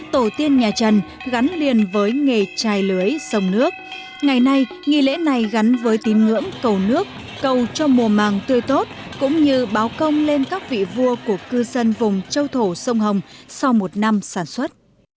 tổ tiên nhà trần gắn liền với nghề trài lưới sông nước ngày nay nghi lễ này gắn với tín ngưỡng cầu nước cầu cho mùa màng tươi tốt cũng như báo công lên các vị vua của cư dân vùng châu thổ sông hồng sau một năm sản xuất